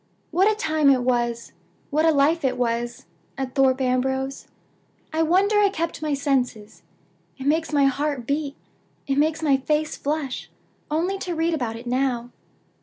"What a time it was what a life it was, at Thorpe Ambrose! I wonder I kept my senses. It makes my heart beat, it makes my face flush, only to read about it now!